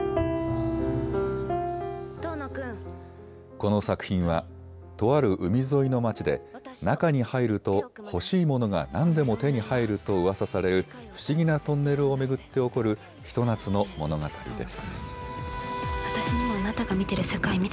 この作品はとある海沿いの町で中に入ると欲しいものが何でも手に入るとうわさされる不思議なトンネルを巡って起こるひと夏の物語です。